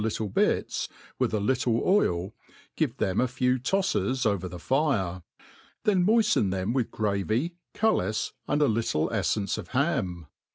little bits, with a little wl, give them a few tofles over the fire; then nioifteii them with gravy, cullis, and a little eilence of ham.